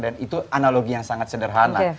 dan itu analogi yang sangat sederhana